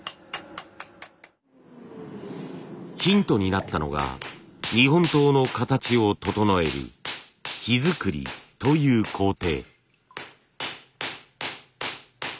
ヒントになったのが日本刀の形を整える「火造り」という工程。